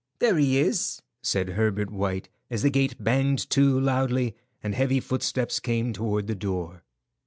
"There he is," said Herbert White, as the gate banged to loudly and heavy footsteps came toward the door.